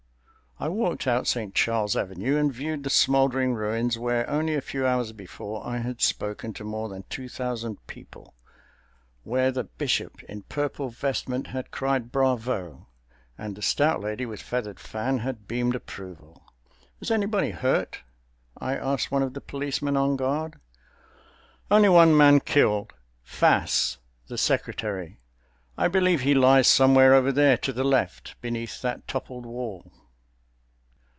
I walked out Saint Charles Avenue and viewed the smoldering ruins where only a few hours before I had spoken to more than two thousand people—where the bishop in purple vestment had cried "Bravo!" and the stout lady with feathered fan had beamed approval. "Was anybody hurt?" I asked one of the policemen on guard. "Only one man killed—Fass, the Secretary; I believe he lies somewhere over there to the left, beneath that toppled wall."